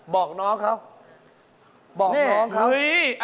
บอกน้องเขาบอกน้องเขาเฮ้ย